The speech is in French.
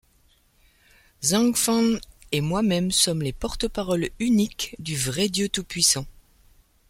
Zhang Fan et moi-même sommes les porte-parole uniques du vrai 'Dieu Tout-Puissant'.